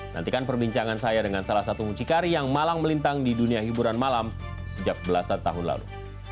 nantikan perbincangan saya dengan salah satu mucikari yang malang melintang di dunia hiburan malam sejak belasan tahun lalu